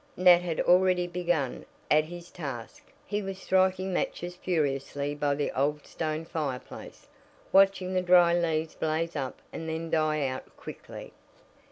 Nat had already begun at his task he was striking matches furiously by the old stone fireplace, watching the dry leaves blaze up and then die out quickly.